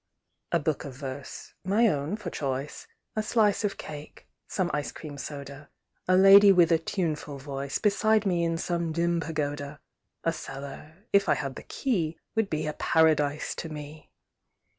A book of verse (my own, for choice), A slice of cake, some ice cream soda, A lady with a tuneful voice, Beside me in some dim pagoda! A cellar if I had the key, Would be a Paradise to me!